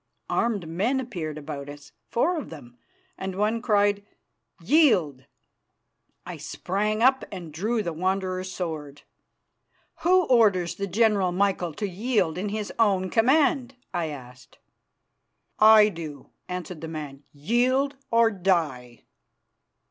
Armed men appeared about us, four of them, and one cried "Yield!" I sprang up and drew the Wanderer's sword. "Who orders the General Michael to yield in his own command?" I asked. "I do," answered the man. "Yield or die!"